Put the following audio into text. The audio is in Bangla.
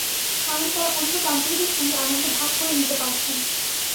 কারণ, তারা অন্য বান্ধবীদের সঙ্গে আনন্দ ভাগ করে নিতে পারছে না।